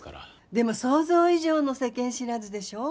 でも想像以上の世間知らずでしょ？